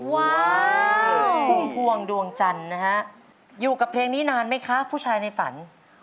พุ่มพวงดวงจันทร์นะฮะอยู่กับเพลงนี้นานไหมคะผู้ชายในฝัน